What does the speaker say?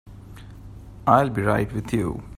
I'll be right with you.